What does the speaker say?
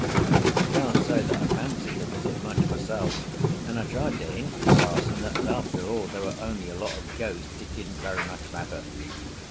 I can't say that I fancied the visit much, myself, and I tried to hint to parson that as, after all, they were only a lot of ghosts it didn't very much matter.